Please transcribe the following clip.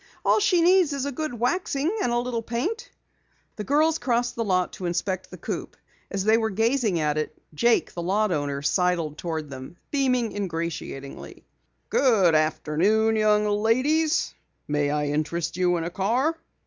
All she needs is a good waxing and a little paint." The girls crossed the lot to inspect the coupe. As they were gazing at it, Jake, the lot owner, sidled toward them, beaming ingratiatingly. "Good afternoon, young ladies. May I interest you in a car?"